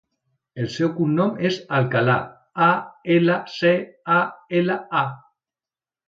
El seu cognom és Alcala: a, ela, ce, a, ela, a.